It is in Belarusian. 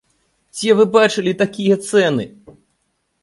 Дзе вы бачылі такія цэны.